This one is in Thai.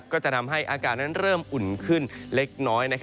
ก็จะทำให้อากาศนั้นเริ่มอุ่นขึ้นเล็กน้อย